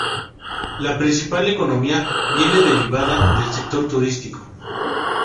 La principal economía viene deriva del sector turístico.